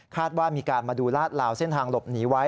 ว่ามีการมาดูลาดลาวเส้นทางหลบหนีไว้